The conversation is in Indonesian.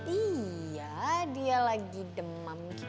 iya dia lagi demam